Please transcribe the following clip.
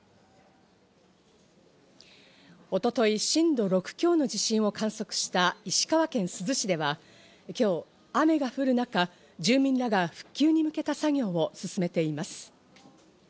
一昨日、震度６強の地震を観測した石川県珠洲市では、今日雨が降る中、住民らが復旧に向けた作業を進めています。